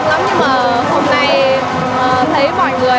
nhưng mà hôm nay thấy mọi người